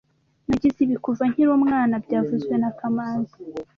Nagize ibi kuva nkiri umwana byavuzwe na kamanzi